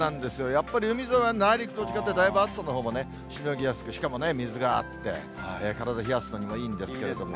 やっぱり海沿いは内陸と違って、だいぶ暑さのほうもしのぎやすく、しかも水があって、体冷やすのにもいいんですけれども。